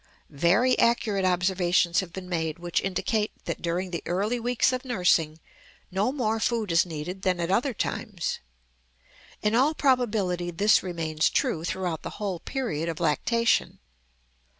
Very accurate observations have been made which indicate that during the early weeks of nursing no more food is needed than at other times; in all probability this remains true throughout the whole period of lactation.